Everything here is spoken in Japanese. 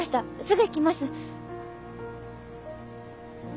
すぐ行きます。